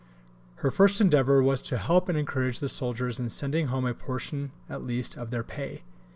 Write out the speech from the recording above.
Her first endeavour was to help and encourage the soldiers in sending home a portion at least of their pay.